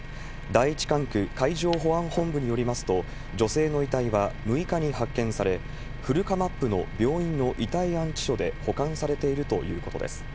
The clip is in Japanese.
第１管区海上保安本部によりますと、女性の遺体は６日に発見され、古釜布の病院の遺体安置所で保管されているということです。